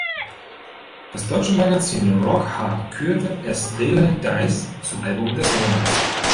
Das deutsche Magazin Rock Hard kürte "As Daylight Dies" zum Album des Monats.